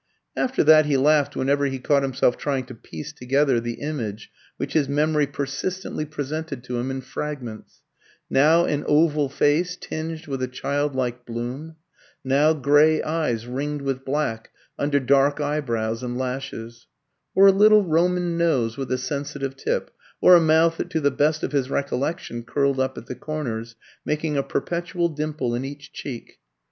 After that he laughed whenever he caught himself trying to piece together the image which his memory persistently presented to him in fragments: now an oval face tinged with a childlike bloom, now grey eyes ringed with black, under dark eyebrows and lashes; or a little Roman nose with a sensitive tip, or a mouth that to the best of his recollection curled up at the corners, making a perpetual dimple in each cheek.